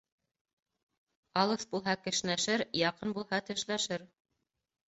Алыҫ булһа кешнәшер, яҡын булһа тешләшер.